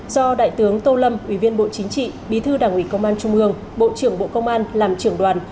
do đại tướng tô lâm ủy viên bộ chính trị bí thư đảng ủy công an trung ương bộ trưởng bộ công an làm trưởng đoàn